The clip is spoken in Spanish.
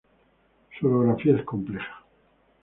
Su orografía es compleja.